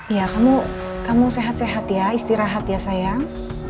ya kamu sehat sehat ya istirahat ya sayang